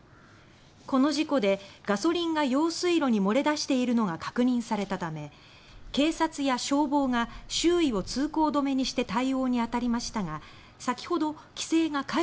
この事故でガソリンが用水路に漏れ出しているのが確認された為警察や消防が周囲を通行止めにして対応に当たりましたが先ほど規制が解除されました。